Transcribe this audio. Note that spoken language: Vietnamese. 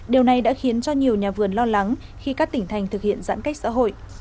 điều này đã khiến cho nhiều nhà vườn lo lắng khi các tỉnh thành thực hiện giãn cách xã hội